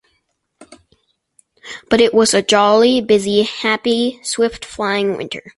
But it was a jolly, busy, happy swift-flying winter.